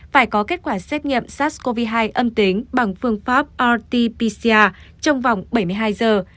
phải có kết quả xét nghiệm sars cov hai âm tính bằng phương pháp rt pcr trong vòng bảy mươi hai giờ